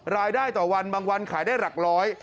รายได้ต่อวันบางวันขายได้หลักร้อย